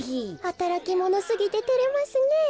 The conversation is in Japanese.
はたらきものすぎててれますねえ。